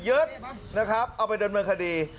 ยึดนะครับเอาไปเดินเมืองคดี